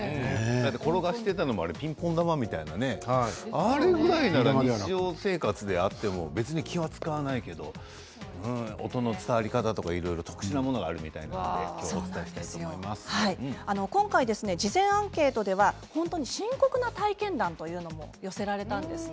転がしていたのもピンポン玉みたいなあれぐらいなら日常生活であっても別に気が付かないけど音の伝わり方とか特殊なものが今回、事前アンケートでは本当に深刻な体験談というのも寄せられたんですね。